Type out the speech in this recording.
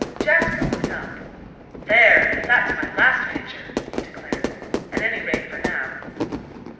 Jasper looked up. "There, that's my last picture," he declared. "At any rate, for now."